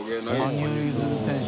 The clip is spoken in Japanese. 羽生結弦選手。